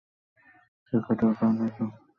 সে ঘটনার কারণেই তো আমরা একত্রিত হলাম!